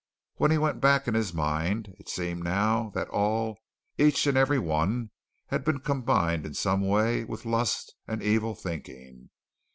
When he went back in his mind, it seemed now that all, each, and every one, had been combined in some way with lust and evil thinking.